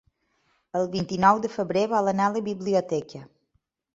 El vint-i-nou de febrer vol anar a la biblioteca.